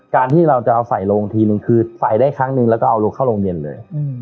การที่เราจะเอาใส่ลงทีนึงคือใส่ได้ครั้งนึงแล้วก็เอาลูกเข้าโรงเรียนเลย